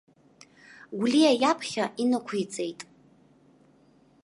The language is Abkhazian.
Гәлиа иаԥхьа инықәиҵеит.